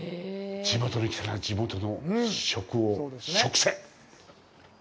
地元に来たら地元の食を食せ！